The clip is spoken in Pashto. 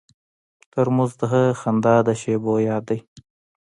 ترموز د خندا د شیبو یاد دی.